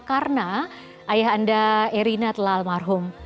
karena ayah anda erina telah almarhum